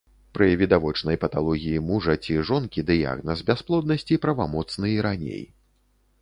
Пры відавочнай паталогіі мужа ці жонкі дыягназ бясплоднасці правамоцны і раней.